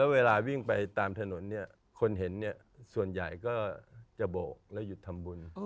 เวลาวิ่งไปตามถนนเนี่ยคนเห็นส่วนใหญ่ก็จะโบกแล้วหยุดทำบุญ